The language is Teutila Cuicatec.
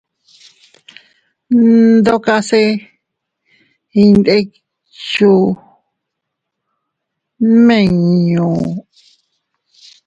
Ndokase iyndikchuu nmiñu.